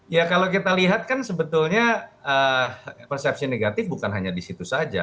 ya kalau kita lihat kan sebetulnya persepsi negatif bukan hanya di situ saja